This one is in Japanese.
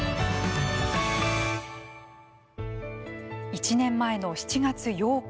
１年前の７月８日。